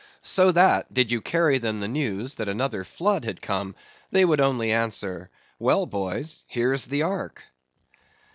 So that did you carry them the news that another flood had come; they would only answer—"Well, boys, here's the ark!"